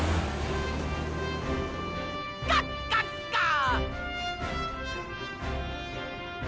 カッカッカー！！